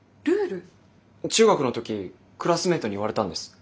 中学の時クラスメートに言われたんです。